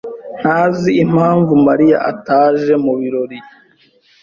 ntazi impamvu Mariya ataje mubirori.